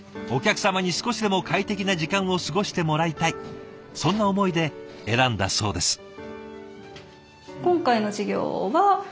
お客様に少しでも快適な時間を過ごしてもらいたいそんな思いで選んだそうです。